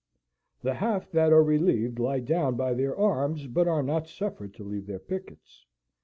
The half that are relieved lie down by their arms, but are not suffered to leave their pickets.